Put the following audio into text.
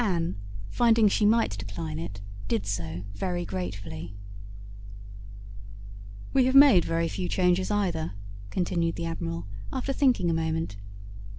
Anne, finding she might decline it, did so, very gratefully. "We have made very few changes either," continued the Admiral, after thinking a moment.